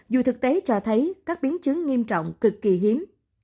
dù thực tế cho thấy các biến chứng nghiêm trọng cực kỳ hiếm